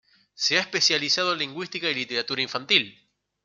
Se ha especializado en lingüística y literatura infantil.